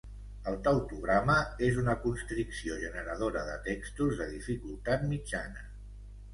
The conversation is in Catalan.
El tautograma és una constricció generadora de textos de dificultat mitjana.